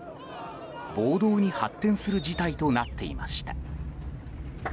暴動に発展する事態となっていました。